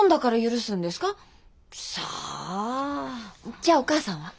じゃあお母さんは？